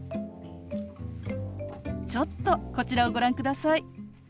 ちょっとこちらをご覧ください。